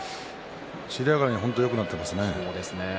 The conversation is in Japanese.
尻上がりによくなっていますね。